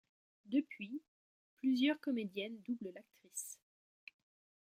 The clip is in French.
Depuis, plusieurs comédiennes doublent l'actrice.